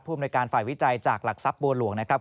อำนวยการฝ่ายวิจัยจากหลักทรัพย์บัวหลวงนะครับ